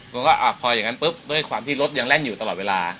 ผมก็พออย่างนั้นปุ๊บด้วยความที่รถยังแล่นอยู่ตลอดเวลา